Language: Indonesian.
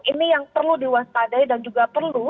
ini yang perlu diwaspadai dan juga perlu